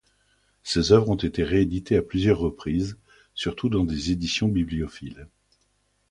Ses œuvres ont été rééditées à plusieurs reprises, surtout dans des éditions bibliophiles.